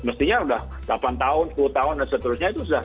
mestinya sudah delapan tahun sepuluh tahun dan seterusnya itu sudah